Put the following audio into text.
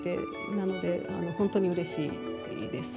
なので、本当にうれしいです。